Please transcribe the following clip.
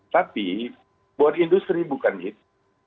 tapi buat industri bukan itu